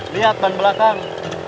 lihat ban belakang